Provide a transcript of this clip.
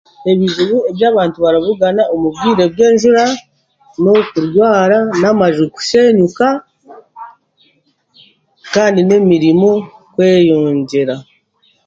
Ebizibu ebi abantu barabugana omu bwiire bw'enjuura, n'okurwaara, n'amaju kushenyuuka kandi n'emirimo kweyongera.